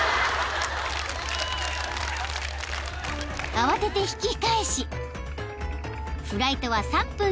［慌てて引き返しフライトは］